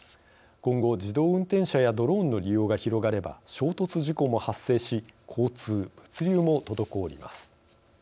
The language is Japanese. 今後、自動運転車やドローンの利用が広がれば衝突事故も発生し交通・物流も滞ります。